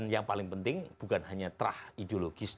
yang paling penting bukan hanya terah ideologis